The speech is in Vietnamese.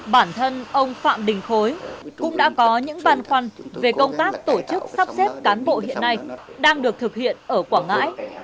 bản thân ông phạm đình khối cũng đã có những băn khoăn về công tác tổ chức sắp xếp cán bộ hiện nay đang được thực hiện ở quảng ngãi